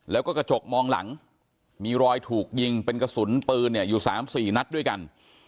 แล้วก็กระจกมองหลังมีรอยถูกยิงเป็นกระสุนปืนเนี่ยอยู่๓๔นัดด้วยกัน